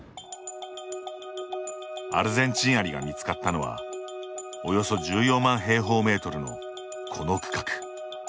アルゼンチンアリが見つかったのはおよそ１４万平方メートルのこの区画。